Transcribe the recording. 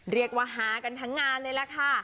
เรียกว่าหากันทั้งงานเลยล่ะค่ะ